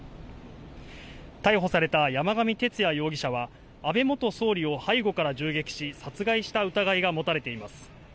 逮捕された山上徹也容疑者が安倍元総理を背後から銃撃し、殺害した疑いが持たれています。